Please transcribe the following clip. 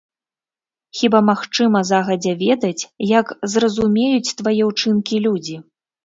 Хіба магчыма загадзя ведаць, як зразумеюць твае ўчынкі людзі?